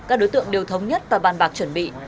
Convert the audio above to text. các đối tượng đều thống nhất và bàn bạc chuẩn bị